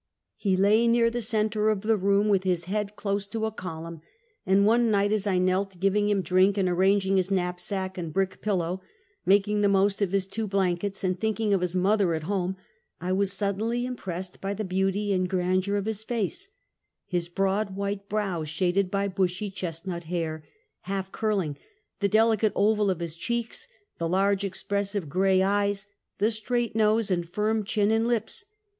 He lay near the center of the room, with his head close to a column; and one night as I knelt giving him drink, and arranging his knapsack and brick pil low, making the most of his two blankets, and think ing of his mother at home, I was suddenly impressed by the beauty and grandeur of his face; — his broad, white brow shaded by bushy, chestnut hair, half curling; the delicate oval of his cheeks; the large, ex pressive grey eyes; the straight nose and firm chin and lips!